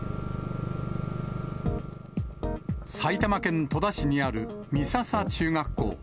埼玉県戸田市にある美笹中学校。